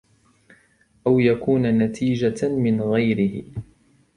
أَوْ يَكُونَ نَتِيجَةً مِنْ غَيْرِهِ